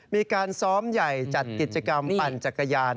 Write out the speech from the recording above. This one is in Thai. มีการซ้อมใหญ่จัดกิจกรรมปั่นจักรยาน